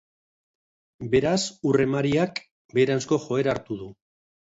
Beraz, ur-emariak beheranzko joera hartu du.